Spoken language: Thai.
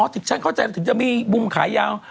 อ๋อถึงฉันเข้าใจแล้วถึงจะมีมุมขายยาว